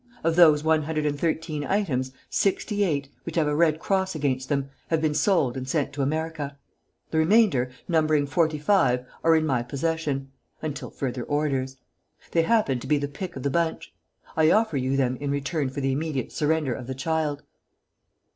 Of those one hundred and thirteen items, sixty eight, which have a red cross against them, have been sold and sent to America. The remainder, numbering forty five, are in my possession ... until further orders. They happen to be the pick of the bunch. I offer you them in return for the immediate surrender of the child."